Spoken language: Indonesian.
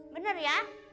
bener ya yaudah